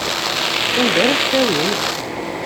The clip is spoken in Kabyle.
Sanda ara tt-tawim?